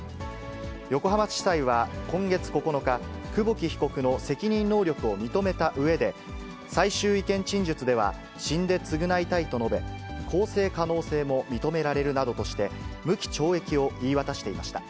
横浜地裁は、今月９日、久保木被告の責任能力を認めたうえで、最終意見陳述では、死んで償いたいと述べ、更生可能性も認められるなどとして、無期懲役を言い渡していました。